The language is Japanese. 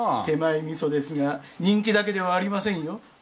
手前味噌ですが人気だけではありませんよ。